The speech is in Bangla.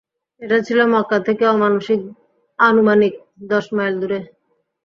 এটা ছিল মক্কা থেকে আনুমানিক দশ মাইল দূরে।